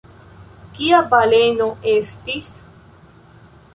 Kia baleno estis?